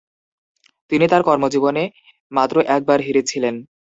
তিনি তার কর্মজীবনে মাত্র একবার হেরেছিলেন।